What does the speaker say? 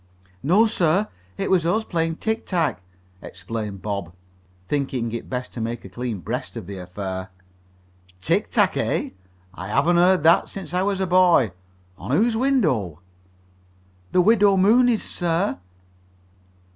"No, sir. It was us, playing tic tac," explained Bob, thinking it best to make a clean breast of the affair. "Tic tac, eh? I haven't heard that since I was a boy. On whose window?" "The Widow Mooney's, sir."